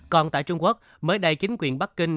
còn tại trung quốc mới đây chính quyền bắc kinh